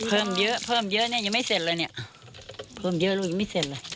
เพิ่มเยอะเพิ่มเยอะเนี่ยยังไม่เสร็จเลยเนี่ยเพิ่มเยอะลูกยังไม่เสร็จเลย